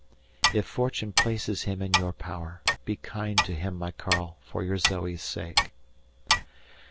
If fortune places him in your power, be kind to him, my Karl, for your Zoe's sake.